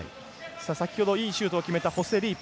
先ほどいいシュートを決めたホセ・リープ。